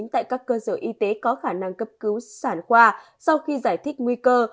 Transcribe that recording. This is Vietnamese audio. tại các cơ sở y tế có khả năng cấp cứu sản khoa sau khi giải thích nguy cơ